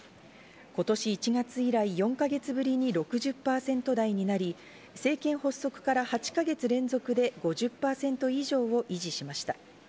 今年１月以来４か月ぶりに６０％台になり、政権発足から８か月連続で５０％以上を維持しました。